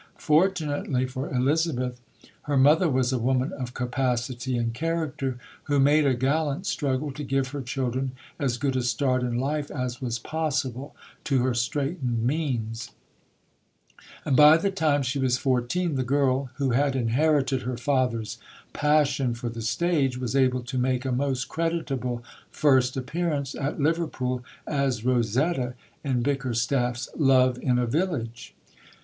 Fortunately for Elizabeth, her mother was a woman of capacity and character, who made a gallant struggle to give her children as good a start in life as was possible to her straitened means; and by the time she was fourteen the girl, who had inherited her father's passion for the stage, was able to make a most creditable first appearance at Liverpool, as Rosetta, in Bickerstaff's _Love in a Village.